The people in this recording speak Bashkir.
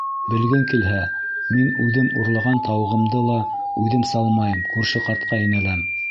Белгең килһә, мин үҙем урлаған тауығымды ла үҙем салмайым, күрше ҡартҡа инәләм.